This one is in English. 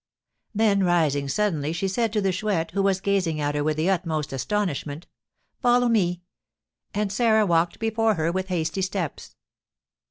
Then rising suddenly she said to the Chouette, who was gazing at her with the utmost astonishment, "Follow me!" And Sarah walked before her with hasty steps.